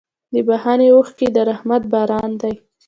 د بښنې اوښکې د رحمت باران دی.